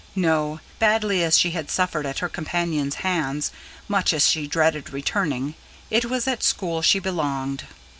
No: badly as she had suffered at her companions' hands, much as she dreaded returning, it was at school she belonged.